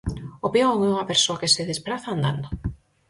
O peón é unha persoa que se despraza andando.